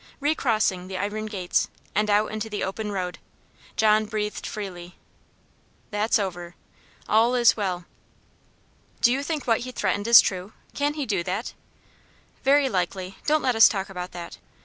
Re crossing the iron gates, and out into the open road, John breathed freely. "That's over all is well." "Do you think what he threatened is true? Can he do it?" "Very likely; don't let us talk about that."